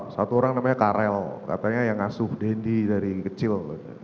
satu orang namanya karel katanya yang ngasuh dendi dari kecil